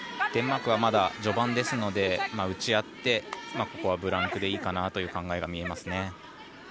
デンマークはまだ序盤ですので打ち合ってここはブランクでいいかなという考えが見えますね。